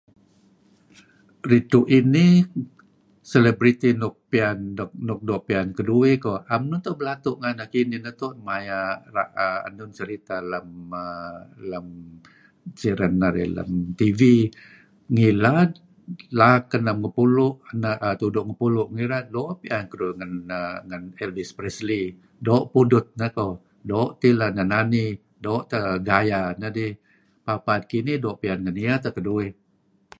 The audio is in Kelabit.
Ridtu' inih celebrity nuk piyan nuk doo' piyan keduih 'am neto' belatu' nganeh kinih maya' enun seriteh lem err siren narih lem tv . Ngilad lem laak enem ngepulu' tudu' ngepulu' ngilad doo' piyan keduih ni'er Elvis Presley, doo' pudut neh koh, doo' ileh neh menani, doo' teh gaya neh. Paad-paad kinih doo' piyan ngen iyeh teh keduih .